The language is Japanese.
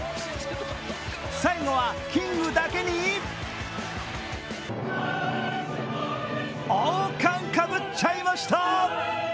最後はキングだけに王冠かぶっちゃいました！